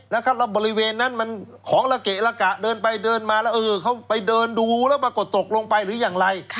แล้วบริเวณนั้นมันของละเกะละกะเดินไปเดินมาแล้วเออเขาไปเดินดูแล้วปรากฏตกลงไปหรืออย่างไร